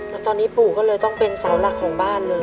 แล้วตอนนี้ปู่ก็เลยต้องเป็นเสาหลักของบ้านเลย